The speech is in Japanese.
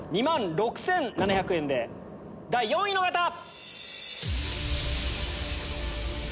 ２万６７００円で第４位の方！